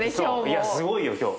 いやすごいよ今日。